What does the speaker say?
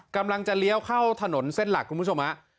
กำลังจะเลี้ยวเข้าถนนเส้นหลักคุณผู้ชมฮะ